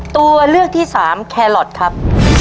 ตัวเลือกที่สามแครอทครับ